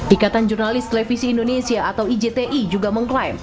ikatan jurnalis televisi indonesia juga mengklaim